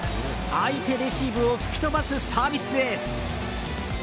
相手レシーブを吹き飛ばすサービスエース！